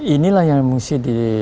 inilah yang mesti